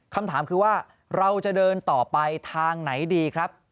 คำถามคือว่าเราจะเดินต่อไปทางไหนดีครับ